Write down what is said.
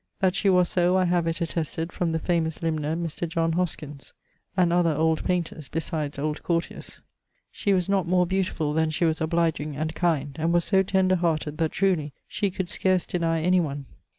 That she was so I have it attested from the famous limmer Mr. Hoskins and other old painters, besides old courtiers. She was not more beautifull than she was obligeing and kind, and was so tender hearted that (truly) she could scarce denie any one.